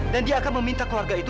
dan dia akan meminta keluarga itu